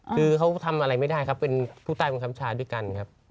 คือเขาทำอะไรไม่ได้ครับเป็นผู้ใต้บังคับชาด้วยกันครับ